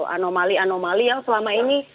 anomali anomali yang selama ini